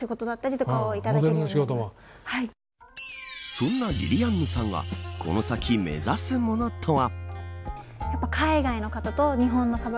そんな、りりあんぬさんはこの先目指すものとは。